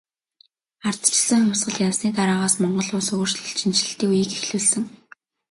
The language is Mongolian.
Ардчилсан хувьсгал ялсны дараагаас Монгол улс өөрчлөлт шинэчлэлтийн үеийг эхлүүлсэн.